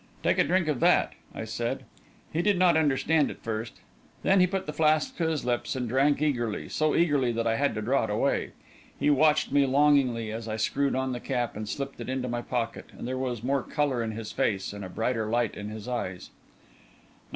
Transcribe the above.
"Take a drink of that," I said. He did not understand at first; then he put the flask to his lips and drank eagerly so eagerly that I had to draw it away. He watched me longingly as I screwed on the cap and slipped it into my pocket; and there was more colour in his face and a brighter light in his eyes.